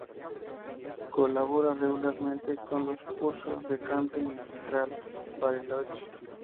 Colabora regularmente con los cursos del Camping Musical Bariloche.